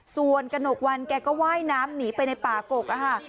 ส่วนกระหนกวันแกก็ว่ายน้ำหนีไปในป่ากกอะค่ะ